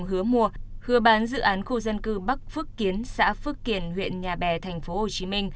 hứa mua hứa bán dự án khu dân cư bắc phước kiến xã phước kiền huyện nhà bè tp hcm